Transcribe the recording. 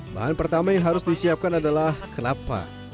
bahan pertama yang harus disiapkan adalah kelapa